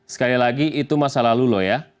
sekali lagi itu masa lalu loh ya